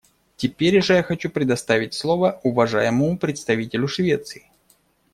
Теперь же я хочу предоставить слово уважаемому представителю Швеции.